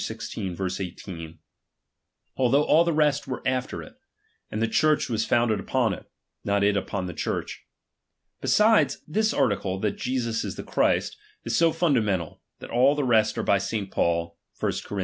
xvi, 18), although all the rest were after it ; and the Church was founded upon it, not it npon the Church. Besides, this article, that Jesus ia the Christ, is so fundamental, that all the rest are by St. Paul (1 Cor. iii.